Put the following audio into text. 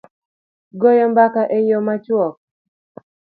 goyo mbaka e yo machuok